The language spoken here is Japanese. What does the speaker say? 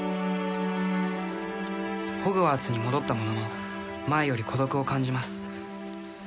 「ホグワーツに戻ったものの前より孤独を感じます」